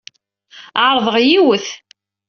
Ɛerḍeɣ yiwet.